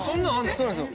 そうなんですよ。